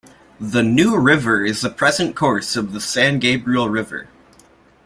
The "New River" is the present course of the San Gabriel River.